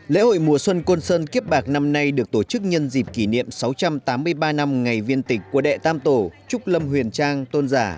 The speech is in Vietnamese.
lễ hội mùa xuân côn sơn kiếp bạc năm nay được tổ chức nhân dịp kỷ niệm sáu trăm tám mươi ba năm ngày viên tịch của đệ tam tổ trúc lâm huyền trang tôn giả